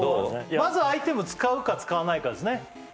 まずアイテム使うか使わないかですね